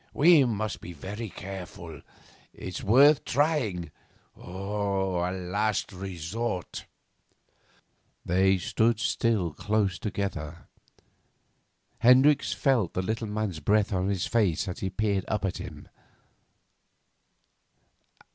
'We must be very careful. It's worth trying a last resort.' They still stood close together. Hendricks felt the little man's breath on his face as he peered up at him.